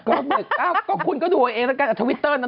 ก็เบก๙ก็คุณก็ดูไว้เองละกันเอาทวิตเตอร์นะ